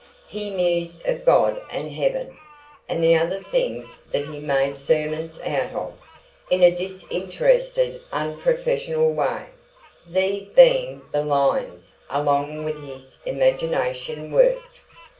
He mused of God and heaven, and the other things that he made sermons out of, in a disinterested, unprofessional way, these being the lines along which his imagination worked.